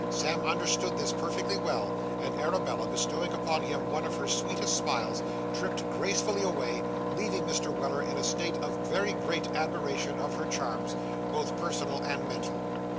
Sam understood this perfectly well; and Arabella, bestowing upon him one of her sweetest smiles, tripped gracefully away, leaving Mr. Weller in a state of very great admiration of her charms, both personal and mental.